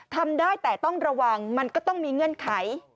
ทำได้แต่ต้องระวังมันก็ต้องมีเงื่อนไข